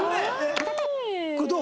これどう？